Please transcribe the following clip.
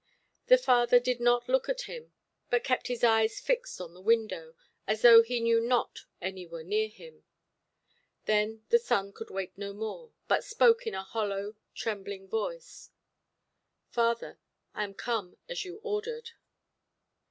The father did not look at him, but kept his eyes fixed on the window, as though he knew not any were near him. Then the son could wait no more, but spoke in a hollow, trembling voice: "Father, I am come, as you ordered".